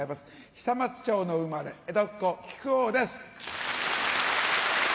久松町の生まれ江戸っ子木久扇です！